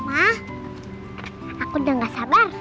ma aku udah gak sabar